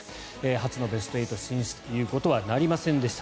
初のベスト８進出ということはなりませんでした。